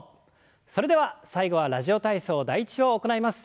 それでは最後は「ラジオ体操第１」を行います。